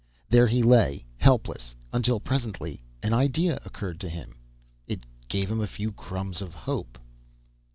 There he lay, helpless, until presently an idea occurred to him. It gave him a few crumbs of hope.